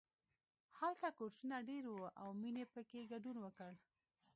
هلته کورسونه ډېر وو او مینې پکې ګډون وکړ